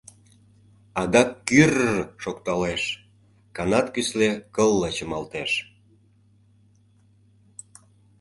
Адак кӱр-р-р шокталеш, канат кӱсле кылла чымалтеш.